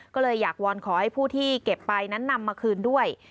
ก็เลยอยากวอนขอให้ผู้ที่เก็บไปนั้นนำมาคืนด้วย